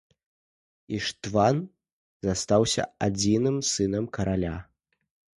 Іштван застаўся адзіным сынам караля.